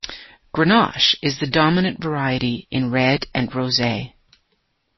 Grenache is the dominant variety in Red and Rosé.